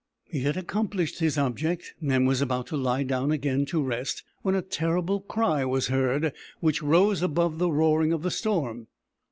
He had accomplished his object, and was about to lie down again to rest, when a terrible cry was heard, which rose above the roaring of the storm.